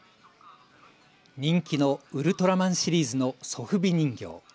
人気のウルトラマンシリーズのソフビ人形。